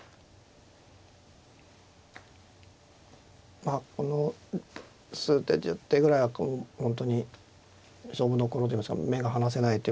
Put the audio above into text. まあこの数手１０手ぐらいは本当に勝負どころといいますか目が離せないといいますかね